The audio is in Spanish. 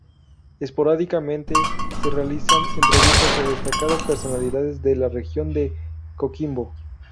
Esporádicamente se realizan entrevistas a destacadas personalidades de la Región de Coquimbo.